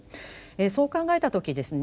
そう考えた時ですね